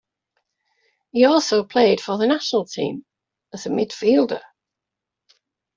He also played for the national team as a midfielder.